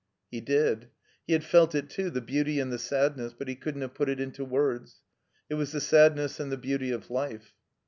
He did. He had felt it too, the beauty and the sadness, but he couldn't have put it into words. It was the sadness and the beauty of life.